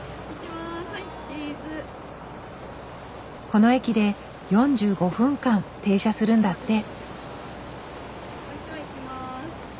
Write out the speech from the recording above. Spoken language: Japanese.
この駅で４５分間停車するんだって。